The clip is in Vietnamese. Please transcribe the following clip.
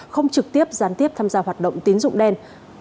không trực tiếp gián tiếp tham gia hoạt động tín dụng đen